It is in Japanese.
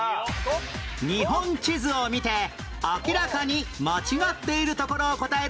日本地図を見て明らかに間違っているところを答える問題